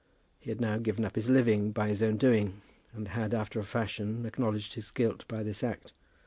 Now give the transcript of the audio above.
He had now given up his living by his own doing, and had after a fashion acknowledged his guilt by this act.